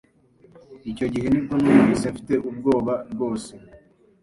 Icyo gihe ni bwo numvise mfite ubwoba rwose.